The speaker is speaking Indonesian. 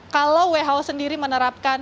kalau who sendiri menerapkan